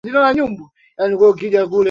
Kuja tuimbe